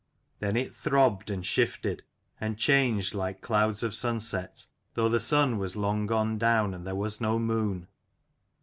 Then it throbbed, and shifted, and changed like clouds of sunset, though the sun was long gone down and there was no moon.